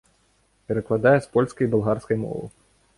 Перакладае з польскай і балгарскай моваў.